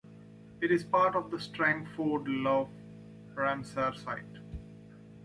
It is part of the Strangford Lough Ramsar Site.